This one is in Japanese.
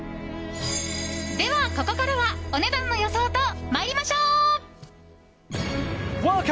では、ここからはお値段の予想と参りましょう。